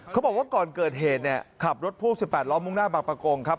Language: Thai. เขาบอกว่าก่อนเกิดเหตุขับรถพวง๑๘ล้อมุ่งหน้าบัปกงฤมตร์ครับ